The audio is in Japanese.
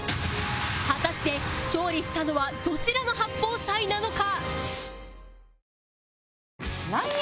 果たして勝利したのはどちらの八宝菜なのか？